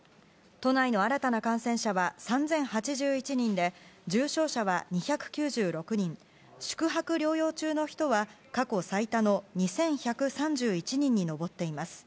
都内の新たな感染者は３０８１人で重症者は２９６人宿泊療養中の人は過去最多の２１３１人に上っています。